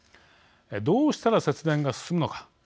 どうしたら節電が進むのか。